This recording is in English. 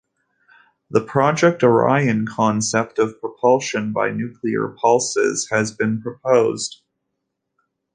The Project Orion concept of propulsion by nuclear pulses has been proposed.